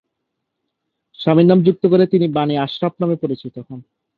স্বামীর নাম যুক্ত করে তিনি বাণী আশরাফ নামে পরিচিত হন।